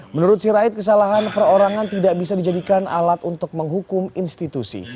menurut sirait kesalahan perorangan tidak bisa dijadikan alat untuk menghukum institusi